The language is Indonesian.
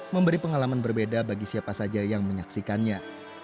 memberi pengalaman berbeda bagi siapa saja yang menyaksikannya